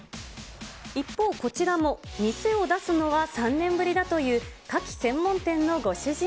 一方、こちらも店を出すのは３年ぶりだというカキ専門店のご主人。